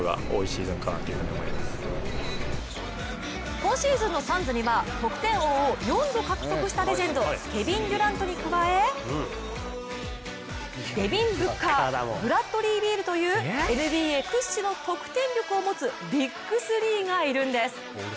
今シーズンのサンズには得点王を４度獲得したレジェンドケビン・デュラントに加えデビン・ブッカー、ブラッドリー・ビールというＮＢＡ屈指の得点力を持つビッグスリーがいるんです。